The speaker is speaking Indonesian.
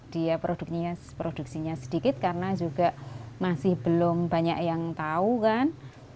dia produksinya sedikit karena juga masih belum banyak yang tahu kan